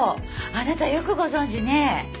あなたよくご存じね。